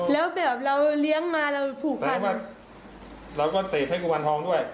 แล้วแบบเราเลี้ยงมาเราผูกพันเราก็เตะให้กุมารทองด้วย